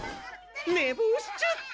寝ぼうしちゃった！